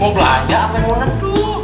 mau belanja apa yang orang tu